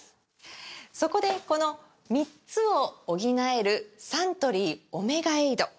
そこでこの３つを補えるサントリー「オメガエイド」！